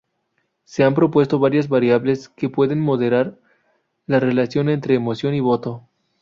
Se han propuesto varias variables que pueden moderar la relación entre emoción y voto.